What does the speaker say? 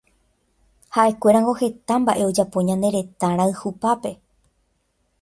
Ha'ekuérango heta mba'e ojapo ñane retã rayhupápe.